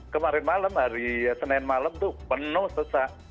kemarin malam hari senin malam itu penuh sesak